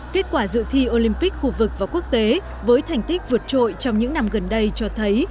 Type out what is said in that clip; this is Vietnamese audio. kết quả dự thi olympic khu vực và quốc tế với thành tích vượt trội trong những năm gần đây cho thấy